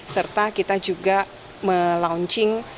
serta kita juga melaunching